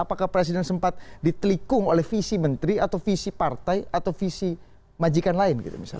apakah presiden sempat ditelikung oleh visi menteri atau visi partai atau visi majikan lain gitu misalnya